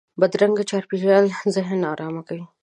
بدرنګه چاپېریال ذهن نارامه کوي